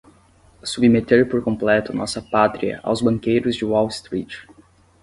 submeter por completo nossa Pátria aos banqueiros de Wall Street